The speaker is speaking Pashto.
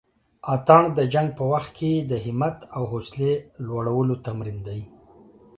اتڼ د جنګ په وخت کښې د همت او حوصلې لوړلو تمرين دی.